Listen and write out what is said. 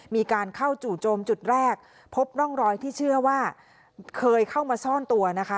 มีการเข้าจู่โจมจุดแรกพบร่องรอยที่เชื่อว่าเคยเข้ามาซ่อนตัวนะคะ